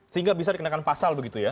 sehingga bisa dikenakan pasal begitu ya